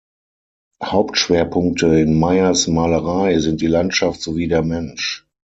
Haupt-Schwerpunkte in Meyers Malerei sind die Landschaft sowie der Mensch.